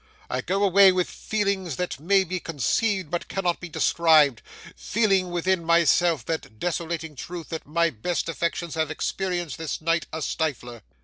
I go away with feelings that may be conceived but cannot be described, feeling within myself that desolating truth that my best affections have experienced this night a stifler!